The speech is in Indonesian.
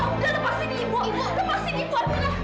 udah lepasin ibu lepasin ibu